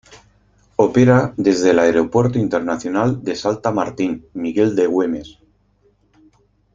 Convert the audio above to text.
Opera desde el Aeropuerto Internacional de Salta Martín Miguel de Güemes.